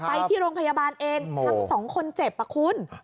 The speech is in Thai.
ไปที่โรงพยาบาลเองทั้งสองคนเจ็บอ่ะคุณ